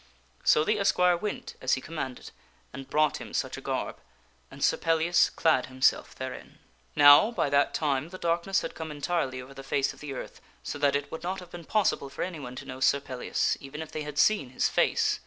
So the esquire went as he commanded and brought him such a garb, and Sir Pellias clad himself therein. 262 THE STORY OF SIR PELLIAS Now, by that time, the darkness had come entirely over the face of the earth so that it would not have been possible for anyone to know Sir Pellias, even if they had seen his face.